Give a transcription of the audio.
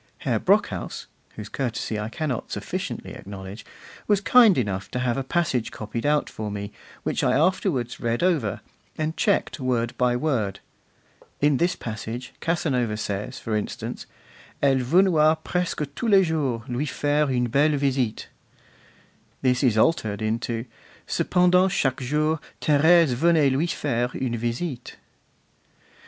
Herr Brockhaus (whose courtesy I cannot sufficiently acknowledge) was kind enough to have a passage copied out for me, which I afterwards read over, and checked word by word. In this passage Casanova says, for instance: 'Elle venoit presque tous les jours lui faire une belle visite.' This is altered into: 'Cependant chaque jour Thérèse venait lui faire une visite.